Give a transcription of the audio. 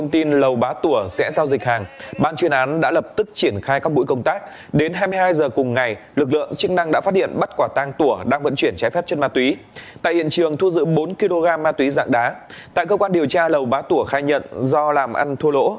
tại cơ quan điều tra lầu bá tủa khai nhận do làm ăn thua lỗ